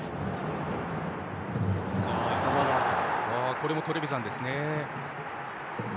これもトレヴィザンです。